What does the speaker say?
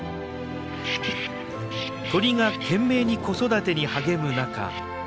鳥が懸命に子育てに励む中。